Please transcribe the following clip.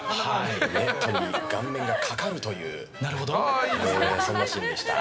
ネットに顔面がかかるというそんなシーンでした。